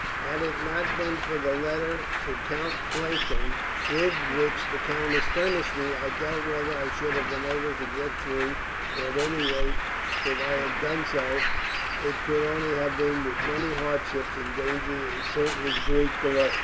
Had it not been for the letter to Count Platurn, with which the countess furnished me, I doubt whether I should have been able to get through; or at any rate, if I had done so it could only have been with many hardships and dangers, and certainly great delay."